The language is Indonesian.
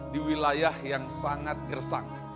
di wilayah yang sangat gersang